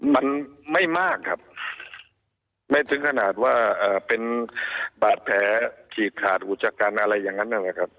มันไม่มากครับไม่ถึงขนาดว่าเป็นบาดแผลฉีกขาดอุจกรรมอะไรอย่างนั้นนะครับ